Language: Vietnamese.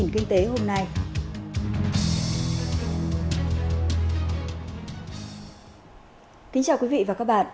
kính chào quý vị và các bạn